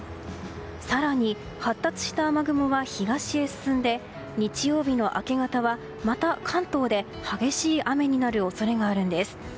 更に発達した雨雲は東に進んで日曜日の明け方は、また関東で激しい雨になる恐れがあるんです。